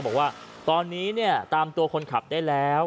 บอกว่าตอนนี้เนี่ยตามตัวคนขับได้แล้ว